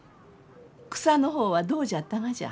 草の方はどうじゃったがじゃ？